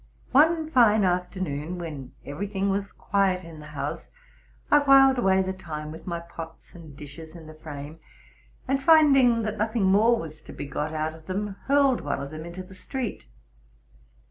One fine after noon, when every thing was quiet in the house, I whiled away the time with my pots and dishes in the frame, and, finding that nothing more was to be got out of them, hurled one of them into the street.